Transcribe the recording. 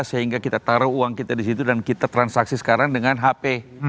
sehingga kita taruh uang kita di situ dan kita transaksi sekarang dengan hp